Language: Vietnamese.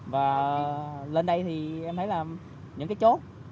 và lên đây thì em thấy là những cái chốt